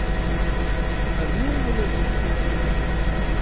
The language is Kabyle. Rnu awal-ik uffir.